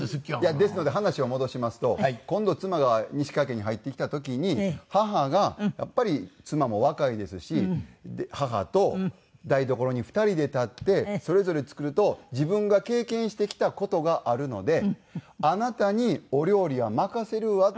ですので話を戻しますと今度妻が西川家に入ってきた時に母がやっぱり妻も若いですし母と台所に２人で立ってそれぞれ作ると自分が経験してきた事があるのであなたにお料理は任せるわって。